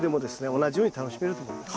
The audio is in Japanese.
同じように楽しめると思います。